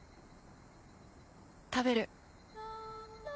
食べる。